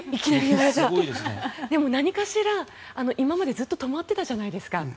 でも、何かしら今までずっと止まってたじゃないですか。